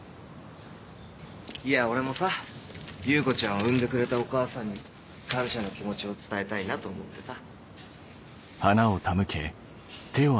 いや俺もさ優子ちゃんを産んでくれたお母さんに感謝の気持ちを伝えたいなと思ってさ。